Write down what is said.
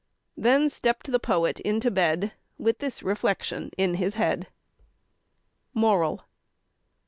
Then stepp'd the poet into bed With this reflection in his head: MORAL.